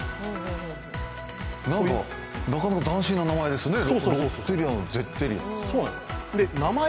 なんかなかなか斬新な名前ですね、ロッテリアのゼッテリア。